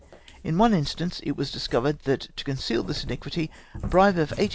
In one instance it was discovered, that to conceal this iniquity, a bribe of 18,000^.